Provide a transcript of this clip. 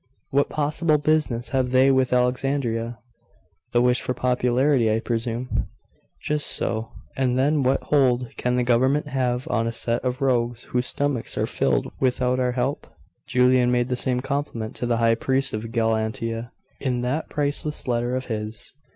What possible business have they with Alexandria?' 'The wish for popularity, I presume.' 'Just so; and then what hold can the government have on a set of rogues whose stomachs are filled without our help?' 'Julian made the same complaint to the high priest of Galatia, in that priceless letter of his.